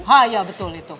hah iya betul itu